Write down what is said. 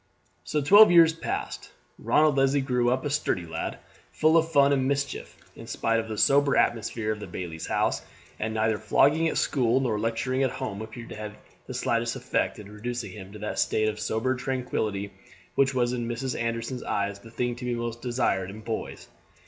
So twelve years passed. Ronald Leslie grew up a sturdy lad, full of fun and mischief in spite of the sober atmosphere of the bailie's house; and neither flogging at school nor lecturing at home appeared to have the slightest effect in reducing him to that state of sober tranquillity which was in Mrs. Anderson's eyes the thing to be most desired in boys.